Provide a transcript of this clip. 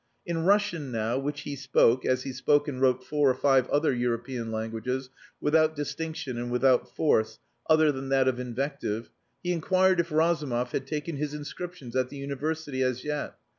In Russian now, which he spoke, as he spoke and wrote four or five other European languages, without distinction and without force (other than that of invective), he inquired if Razumov had taken his inscriptions at the University as yet.